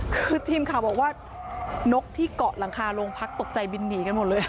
คือทีมข่าวบอกว่านกที่เกาะหลังคาโรงพักตกใจบินหนีกันหมดเลย